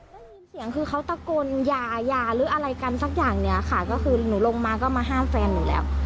ได้ยินเสียงคือเขาตะโกนยายาหรืออะไรกันสักอย่างเนี้ยค่ะก็คือหนูลงมาก็มาห้ามแฟนหนูแล้ว